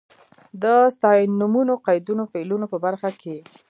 د ستاینومونو، قیدونو، فعلونو په برخه کې.